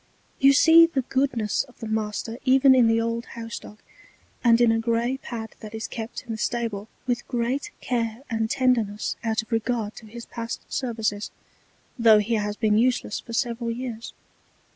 You see the Goodness of the Master even in the old House dog, and in a grey Pad that is kept in the Stable with great Care and Tenderness out of Regard to his past Services, tho' he has been useless for several Years.